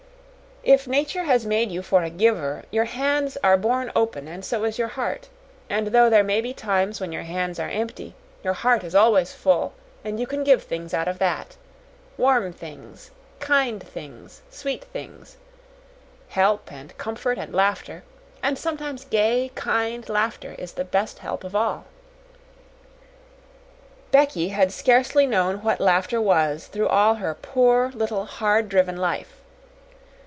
If Nature has made you for a giver, your hands are born open, and so is your heart; and though there may be times when your hands are empty, your heart is always full, and you can give things out of that warm things, kind things, sweet things help and comfort and laughter and sometimes gay, kind laughter is the best help of all. Becky had scarcely known what laughter was through all her poor, little hard driven life.